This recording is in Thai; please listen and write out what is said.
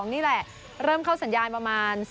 นี่แหละเริ่มเข้าสัญญาณประมาณ